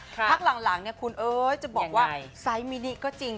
พักหลังคุณเอ้ยจะบอกว่าไซส์มินิก็จริง